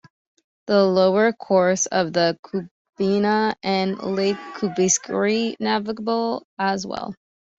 The lower course of the Kubena and Lake Kubenskoyeare navigable as well.